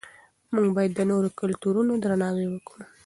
موږ باید د نورو کلتورونو درناوی وکړو.